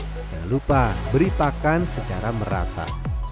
jangan lupa beri pakan secara merata